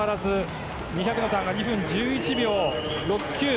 ２００のターンは２分１１秒６９。